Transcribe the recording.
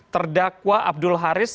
terdakwa abdul haris